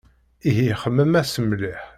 Ihi xemmem-as mliḥ.